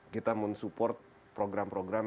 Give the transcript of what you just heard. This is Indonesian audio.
kita mensupport program programnya